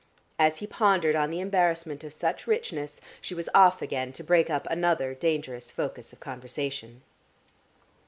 As he pondered on the embarrassment of such richness, she was off again to break up another dangerous focus of conversation.